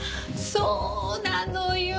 そうなのよ！